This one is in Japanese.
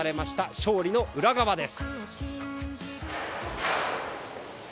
勝利の裏側です。